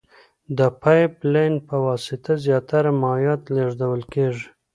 د پایپ لین په واسطه زیاتره مایعات لېږدول کیږي.